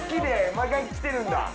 毎回来てるんだ。